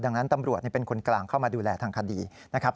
ดังนั้นตำรวจเป็นคนกลางเข้ามาดูแลทางคดีนะครับ